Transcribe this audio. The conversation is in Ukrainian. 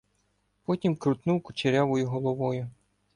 Потім крутнув кучерявою головою.